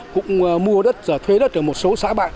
cũng mua đất thuê đất ở một số xã bạn